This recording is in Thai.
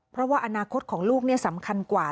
เพราะว่าอนาคตของลูกสำคัญกว่า